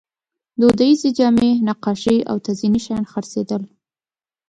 دودیزې جامې، نقاشۍ او تزییني شیان خرڅېدل.